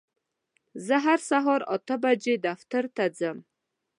زه هر سهار اته بجې دفتر ته ځم.